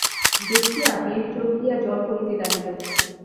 দেখিয়া মেয়ের চোখ দিয়া জল পড়িতে লাগিল।